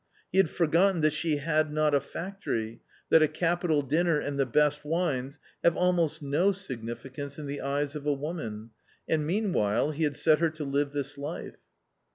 He had forgotten that she had not a factory, that a capital dinner and the best wines have almost no significance in the eyes of a woman, and meanwhile he had set her to live this life.